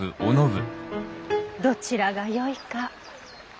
どちらがよいか。